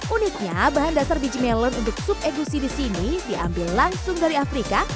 uniknya bahan dasar biji melon untuk sup egusi di sini diambil langsung dari afrika